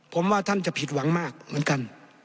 ผมว่าท่านจะผิดหวังมากเหมือนกัน